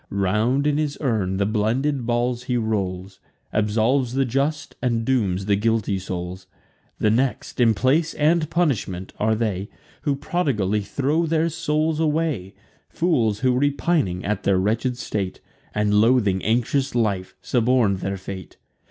Round in his urn the blended balls he rolls, Absolves the just, and dooms the guilty souls. The next, in place and punishment, are they Who prodigally throw their souls away; Fools, who, repining at their wretched state, And loathing anxious life, suborn'd their fate.